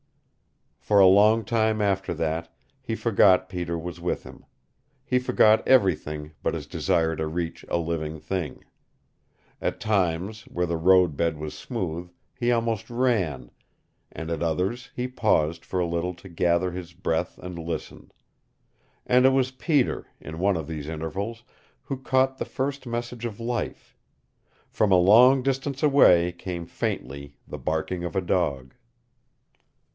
For a long time after that he forgot Peter was with him. He forgot everything but his desire to reach a living thing. At times, where the road bed was smooth, he almost ran, and at others he paused for a little to gather his breath and listen. And it was Peter, in one of these intervals, who caught the first message of life. From a long distance away came faintly the barking of a dog.